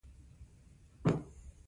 عامه فینانس د دولت لخوا اداره کیږي.